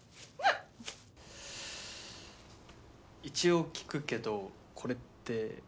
一応聞くけどこれって。